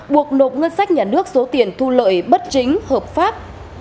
buộc nộp ngân sách nhà nước số tiền thu lợi bất chính hợp pháp